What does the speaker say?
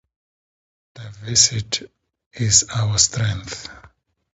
Diversity is our strength.